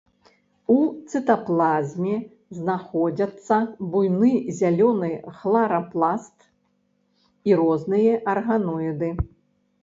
У цытаплазме знаходзяцца буйны зялёны хларапласт і розныя арганоіды.